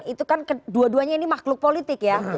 itu kan kedua duanya ini makhluk politik ya